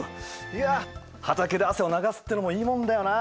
いや畑で汗を流すってのもいいもんだよな。